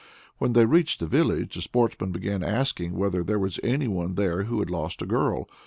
When they reached the village, the sportsman began asking whether there was any one there who had lost a girl.